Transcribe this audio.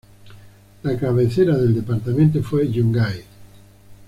La cabecera del departamento fue Yungay.